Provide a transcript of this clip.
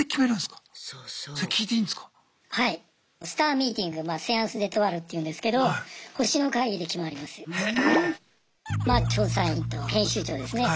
スターミーティングまぁセイアンスデトワールっていうんですけど星の会議で決まります。